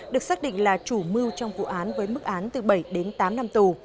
được xác định là chủ mưu trong vụ án với mức án từ bảy đến tám năm tù